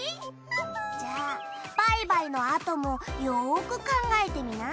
じゃあバイバイのあともよく考えてみな。